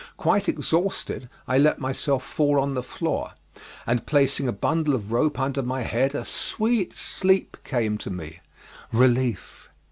Quite exhausted I let myself fall on the floor, and placing a bundle of rope under my head a sweet sleep came to my relief.